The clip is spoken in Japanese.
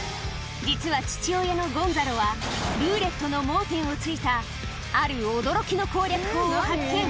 実は父親のゴンザロはルーレットの盲点を突いたある驚きの攻略法を発見